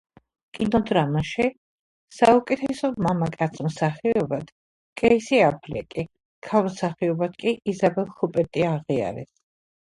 კინოდრამაში საუკეთესო მამაკაც მსახიობად კეისი აფლეკი, ქალ მსახიობად კი იზაბელ ჰუპერტი აღიარეს.